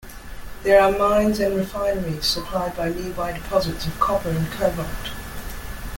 There are mines and refineries supplied by nearby deposits of copper and cobalt.